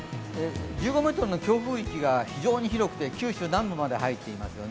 １５メートルの強風域が非常に広くて、九州南部まで入っています。